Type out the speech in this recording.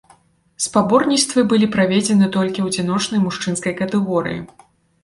Спаборніцтвы былі праведзены толькі ў адзіночнай мужчынскай катэгорыі.